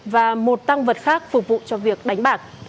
và một tăng vật khác phục vụ cho việc đánh bạc